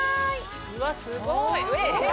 うわすごい。